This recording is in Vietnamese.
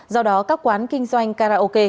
do đó các quán kinh doanh karaoke